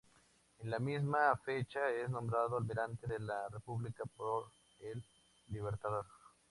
En la misma fecha es nombrado Almirante de la República por el Libertador.